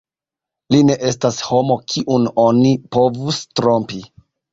Li ne estas homo, kiun oni povus trompi.